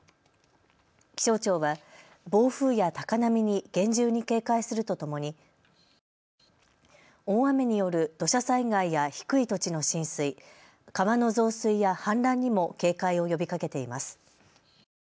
気象庁は暴風や高波に厳重に警戒するとともに大雨による土砂災害や低い土地の浸水、川の増水や氾濫にも警戒を呼びかけています。